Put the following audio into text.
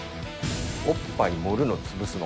おっぱい盛るの、潰すの？